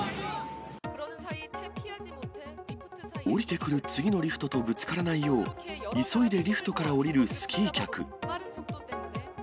降りてくる次のリフトとぶつからないよう、急いでリフトから降りるスキー客。